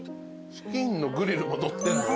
チキンのグリルものってんの？